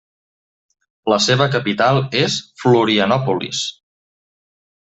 La seva capital és Florianópolis.